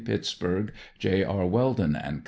Pittsburg: J. R. Weldin & Co.